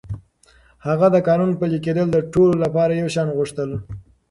هغه د قانون پلي کېدل د ټولو لپاره يو شان غوښتل.